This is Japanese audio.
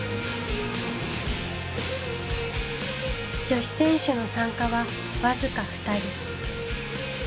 女子選手の参加は僅か２人。